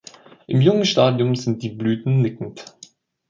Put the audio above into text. Im jungen Stadium sind die Blüten nickend.